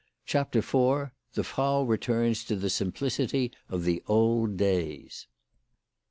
CHAPTER IY. THE FRAU RETURNS TO THE SIMPLICITY OF THE OLD DAYS.